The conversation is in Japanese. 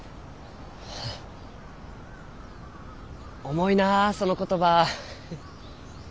重いなその言葉。